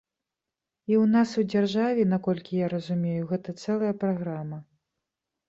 І ў нас у дзяржаве, наколькі я разумею, гэта цэлая праграма.